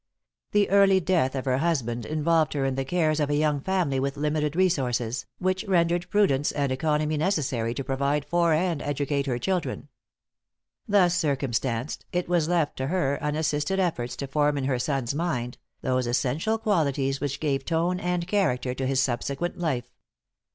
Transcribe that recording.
The early death of her husband involved her in the cares of a young family with limited resources, which rendered prudence and economy necessary to provide for and educate her children. Thus circumstanced, it was left to her unassisted efforts to form in her son's mind, those essential qualities which gave tone and character to his subsequent life.